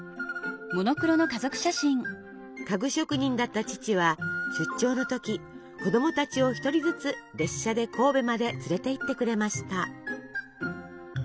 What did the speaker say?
家具職人だった父は出張の時子供たちを一人ずつ列車で神戸まで連れていってくれました。